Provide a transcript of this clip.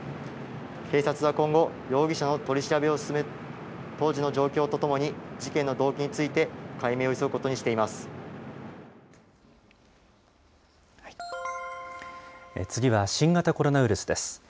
警察は今後、容疑者の取り調べを進め、当時の状況とともに事件の動機について、解明を急ぐことにしてい次は新型コロナウイルスです。